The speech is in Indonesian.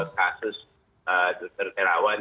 kasus dr terawan